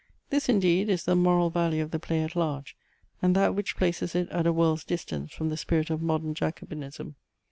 This, indeed, is the moral value of the play at large, and that which places it at a world's distance from the spirit of modern jacobinism.